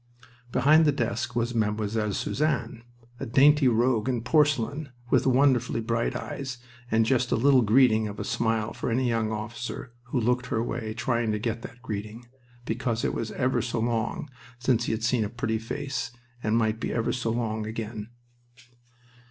Behind the desk was Mademoiselle Suzanne, "a dainty rogue in porcelain," with wonderfully bright eyes and just a little greeting of a smile for any young officer who looked her way trying to get that greeting, because it was ever so long since he had seen a pretty face and might be ever so long again.